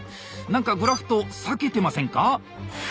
何かグラフト裂けてませんか？